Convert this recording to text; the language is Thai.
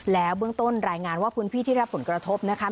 แล้วเบื้องต้นรายงานว่าพื้นที่ที่รับผลกระทบนะคะ